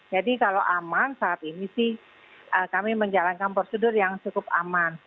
kalau aman saat ini sih kami menjalankan prosedur yang cukup aman